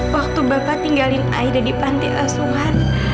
waktu bapak tinggalin aida di pantai asuhan